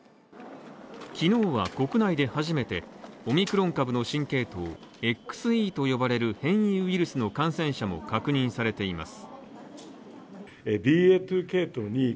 昨日は、国内で初めてオミクロン株の新系統ＸＥと呼ばれる変異ウイルスの感染者も確認されています。